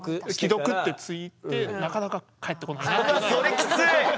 それきつい！